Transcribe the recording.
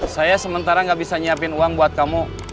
saya sementara gak bisa nyiapin uang buat kamu